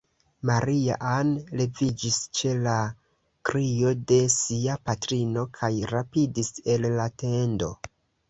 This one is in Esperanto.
Maria-Ann leviĝis ĉe la krio de sia patrino, kaj rapidis el la tendo.